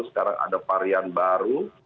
sekarang ada varian baru